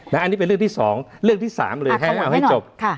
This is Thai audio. อันนี้เป็นเรื่องที่๒เรื่องที่๓เลยให้เอาให้จบ